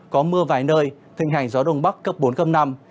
có mưa vài nơi hình hành gió đông bắc cấp bốn năm